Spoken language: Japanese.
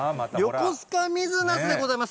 よこすか水なすでございます。